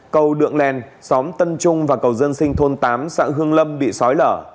cầu đượng lèn xóm tân trung và cầu dân sinh thôn tám xã hương lâm bị sói lở